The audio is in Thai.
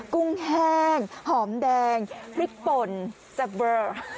กุ้งแห้งหอมแดงพริกป่นจะเบอร์